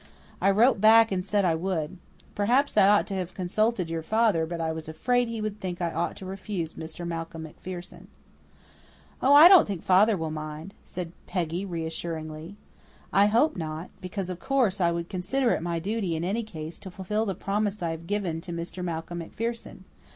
I wrote back and said I would. Perhaps I ought to have consulted your father, but I was afraid he would think I ought to refuse Mr. Malcolm MacPherson." "Oh, I don't think father will mind," said Peggy reassuringly. "I hope not, because, of course, I would consider it my duty in any case to fulfil the promise I have given to Mr. Malcolm MacPherson.